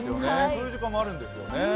そういう時間もあるんですよね。